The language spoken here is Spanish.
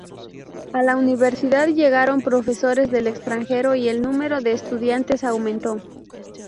A la universidad llegaron profesores del extranjero, y el número de estudiantes aumentó.